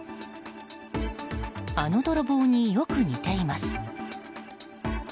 あの泥棒によく似ています。